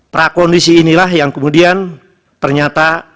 prakondisi inilah yang kemudian ternyata